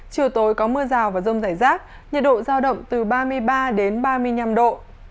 chiều tối có mưa rào và rông rải rác nhiệt độ giao động từ ba mươi ba đến ba mươi năm độ